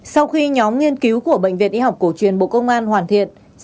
sau khi nhóm nghiên cứu của bệnh viện y học cổ truyền bộ công an hoàn thiện